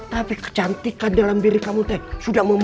tapi kecantikan dalam diri kamu teh sudah membuat